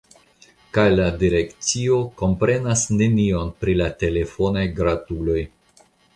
Kaj la direkcio komprenas nenion pri la telefonaj gratuloj.